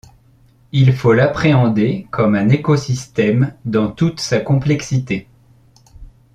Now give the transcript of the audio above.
Il faut l'appréhender comme un écosystème dans toute sa complexité.